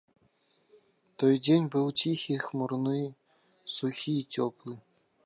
Той дзень быў ціхі, хмурны, сухі і цёплы.